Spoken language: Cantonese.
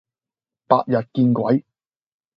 白日見鬼